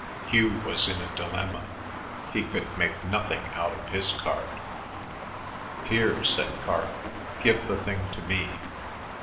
Hugh was in a dilemma; he could make nothing out of his card. "Here," said Carl, "give the thing to me.